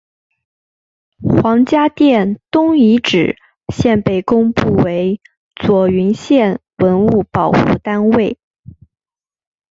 黄家店东遗址现被公布为左云县文物保护单位。